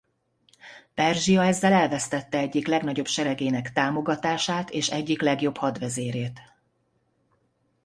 Perzsia ezzel elvesztette egyik legnagyobb seregének támogatását és egyik legjobb hadvezérét.